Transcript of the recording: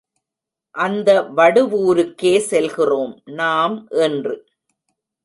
அந்த வடுவூருக்கே செல்கிறோம், நாம் இன்று.